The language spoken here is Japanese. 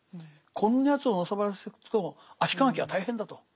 こんなやつをのさばらせておくと足利家は大変だと。